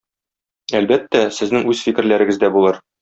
Әлбәттә, сезнең үз фикерләрегез дә булыр.